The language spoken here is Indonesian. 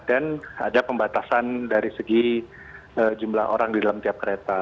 dan ada pembatasan dari segi jumlah orang di dalam tiap kereta